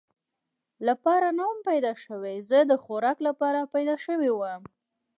لپاره نه ووم پیدا شوی، زه د خوراک لپاره پیدا شوی ووم.